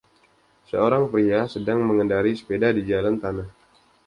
Seorang pria sedang mengendarai sepeda di jalan tanah.